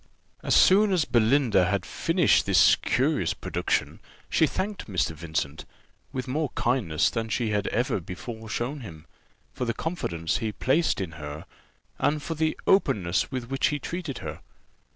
As soon as Belinda had finished this curious production, she thanked Mr. Vincent, with more kindness than she had ever before shown him, for the confidence he placed in her, and for the openness with which he treated her.